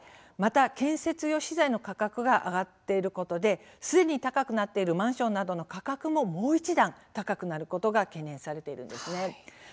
また建設用資材の価格が上がっていることですでに高くなっているマンションなどの価格ももう一段高くなることが懸念されているんですね。